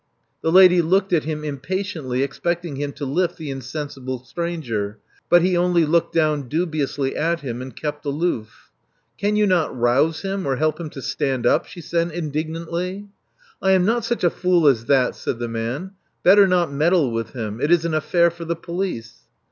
The lady looked at him impatiently, expecting him to lift the insensible stranger; but he only looked down dubiously at him, and kept aloof. Can you not rouse him, or help him to stand up?" she said indignantly. ''I am not such a fool as that," said the man. Better not meddle with him. It is an affair for the police."